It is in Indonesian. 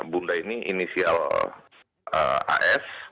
bunda ini inisial as